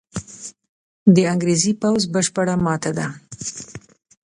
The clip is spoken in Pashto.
د انګرېزي پوځ بشپړه ماته ده.